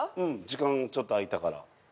時間ちょっと空いたから。